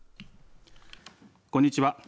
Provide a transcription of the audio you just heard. こんにちは。